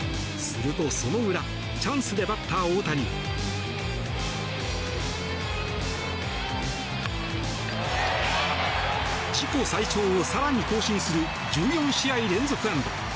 すると、その裏チャンスでバッター大谷。自己最長を更に更新する１４試合連続安打。